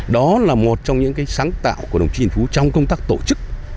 đó là một trong những sáng tạo của đồng chí trần phú trong công tác tổ chức